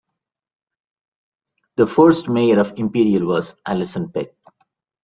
The first Mayor of Imperial was Allison Peck.